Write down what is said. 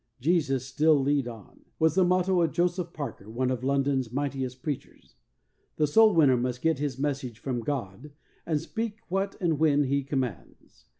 Jesus, still lead on !" was the motto of Jo seph Parker, one of London's mightiest preachers. The soul winner must get his message from God and speak what and when He com mands.